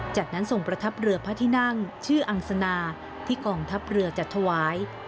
จากนั้นส่งประทับเรือพระที่นั่งชื่ออังสนาที่กองทัพเรือจัดถวาย